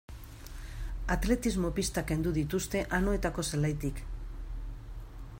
Atletismo-pistak kendu dituzte Anoetako zelaitik.